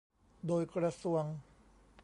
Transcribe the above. โดยกระทรวง